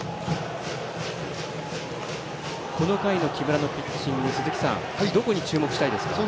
この回の木村のピッチングどこに注目したいですか？